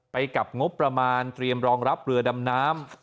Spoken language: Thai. ไปกับงบประมาณเตรียมรองรับเรือดำน้ำ